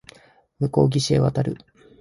向こう岸へ渡る